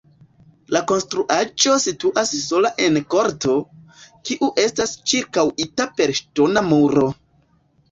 La konstruaĵo situas sola en korto, kiu estas ĉirkaŭita per ŝtona muro.